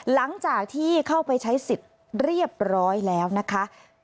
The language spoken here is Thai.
หลังจากที่เข้าไปใช้สิทธิ์เรียบร้อยแล้วนะคะ